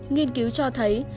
nghiên cứu cho thấy